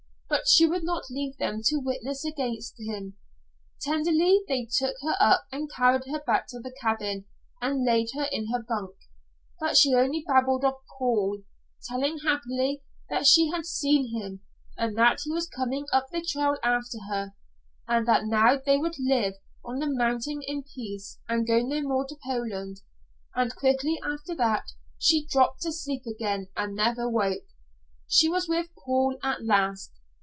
She would not leave them to witness against him. Tenderly they took her up and carried her back to the cabin and laid her in her bunk, but she only babbled of "Paul," telling happily that she had seen him, and that he was coming up the trail after her, and that now they would live on the mountain in peace and go no more to Poland and quickly after that she dropped to sleep again and never woke. She was with "Paul" at last.